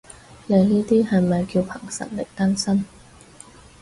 你呢啲係咪叫憑實力單身？